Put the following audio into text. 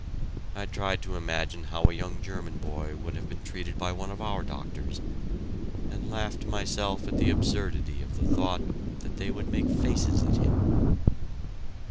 I tried to imagine how a young German boy would have been treated by one of our doctors, and laughed to myself at the absurdity of the thought that they would make faces at him!